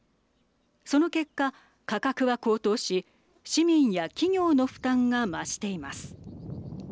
その結果、価格は高騰し市民や企業の負担が増しています。